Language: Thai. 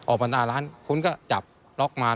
ออกมาหน้าร้านคุณก็จับล็อกมา